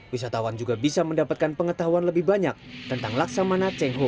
wisatawan juga bisa mendapatkan pengetahuan lebih banyak tentang laksamana cheng ho